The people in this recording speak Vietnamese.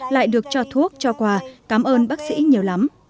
lại được cho thuốc cho quà cảm ơn bác sĩ nhiều lắm